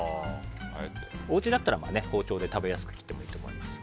おうちだったら包丁で食べやすく切っていいと思います。